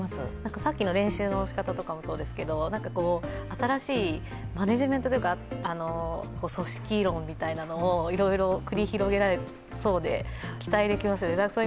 さっきの練習の仕方とかもそうですが、新しいマネジメントというか、組織論みたいなのをいろいろ繰り広げられそうで期待できますよね。